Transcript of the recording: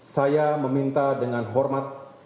saya meminta dengan hormat